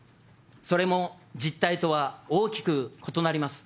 それも実態とは大きく異なります。